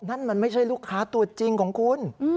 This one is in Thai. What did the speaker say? นั่นมันไม่ใช่ลูกค้าตัวจริงของคุณ